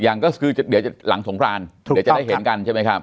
อย่างก็คือเดี๋ยวหลังสงครานเดี๋ยวจะได้เห็นกันใช่ไหมครับ